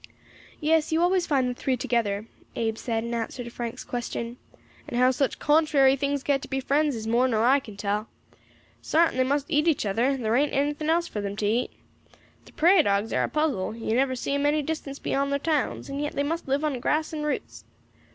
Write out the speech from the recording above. "Yes, you always find the three together," Abe said, in answer to Frank's question, "and how such contrary things get to be friends is more nor I can tell. Sartin they must eat each other, there ain't anything else for 'em to eat. The prairie dogs air a puzzle; you never see 'em any distance beyond thar towns, and yet they must live on grass and roots.